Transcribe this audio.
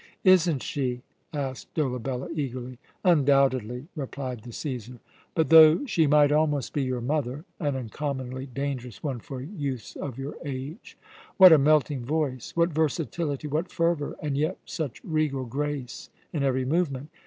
"Isn't she?" asked Dolabella eagerly. "Undoubtedly," replied the Cæsar. "But though she might almost be your mother, an uncommonly dangerous one for youths of your age. What a melting voice, what versatility, what fervour! And yet such regal grace in every movement!